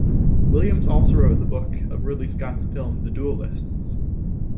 Williams also wrote the book of Ridley Scott's film "The Duellists".